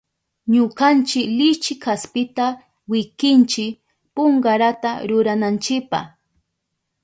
Ñukanchi lichi kaspita wikinchi punkarata rurananchipa.